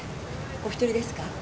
お一人ですか？